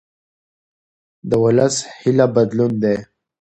د ولس هیله بدلون دی